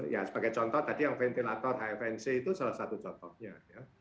ya sebagai contoh tadi yang ventilator hfnc itu salah satu contohnya